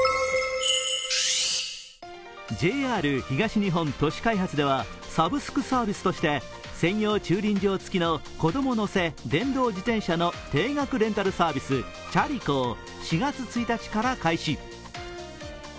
ＪＲ東日本都市開発ではサブスクサービスとして専用駐輪場付きの子供乗せ電動自転車の定額レンタルサービス、ＣＨＡＲＩＣＯを４月１日から開始。